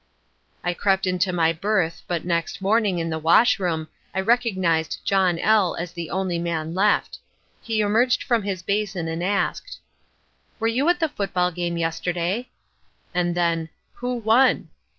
"I crept into my berth, but next morning, in the washroom, I recognized John L. as the only man left. He emerged from his basin and asked: "'Were you at that football game yesterday?' and then 'Who won?'